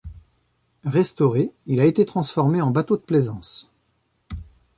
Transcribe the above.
Restauré, il a été transformé en bateau de plaisance.